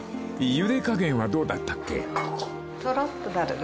［ゆで加減はどうだったっけ？］